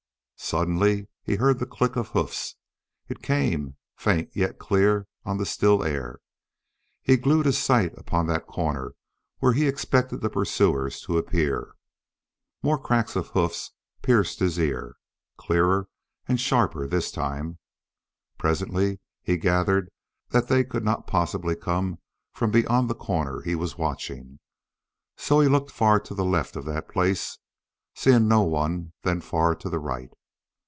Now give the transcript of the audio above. Suddenly he heard the click of hoofs. It came, faint yet clear, on the still air. He glued his sight upon that corner where he expected the pursuers to appear. More cracks of hoofs pierced his ear, clearer and sharper this time. Presently he gathered that they could not possibly come from beyond the corner he was watching. So he looked far to the left of that place, seeing no one, then far to the right.